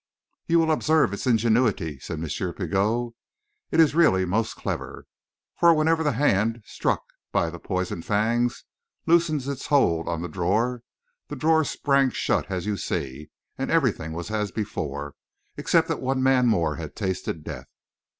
"You will observe its ingenuity," said M. Pigot. "It is really most clever. For whenever the hand, struck by the poisoned fangs, loosened its hold on the drawer, the drawer sprang shut as you see, and everything was as before except that one man more had tasted death.